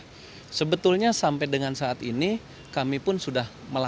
dan sebetulnya sampai dengan saat ini kami pun sudah menanggungnya